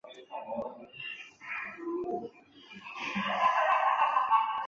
万历二年甲戌科第三甲第一百零二名进士。